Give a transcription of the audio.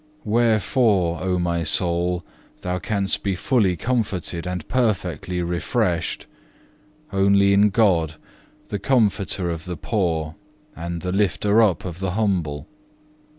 Wherefore, O my soul, thou canst be fully comforted and perfectly refreshed, only in God, the Comforter of the poor, and the lifter up of the humble.